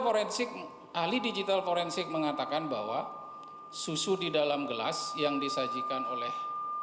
forensik ahli digital forensik mengatakan bahwa susu di dalam gelas yang disajikan oleh